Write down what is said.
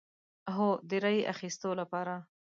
هو، د رای اخیستو لپاره